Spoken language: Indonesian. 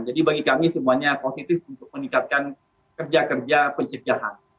jadi bagi kami semuanya positif untuk meningkatkan kerja kerja pencegahan